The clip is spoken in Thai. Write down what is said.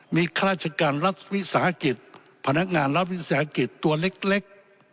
มีข้าราชการรัฐวิสาหกิจพนักงานรัฐวิสาหกิจตัวเล็ก